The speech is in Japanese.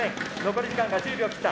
残り時間が１０秒を切った。